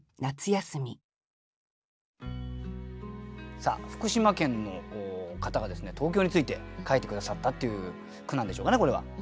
さあ福島県の方がですね東京について書いて下さったっていう句なんでしょうかねこれは。